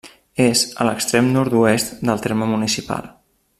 És a l'extrem nord-oest del terme municipal.